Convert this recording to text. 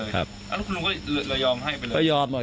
ครับคุณลูกเรายอมไว้มั้ย